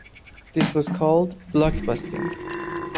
This was called blockbusting.